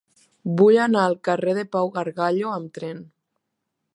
Vull anar al carrer de Pau Gargallo amb tren.